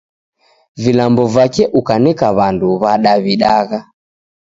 Vilambo vake ukaneka w'andu wa'dawidagha.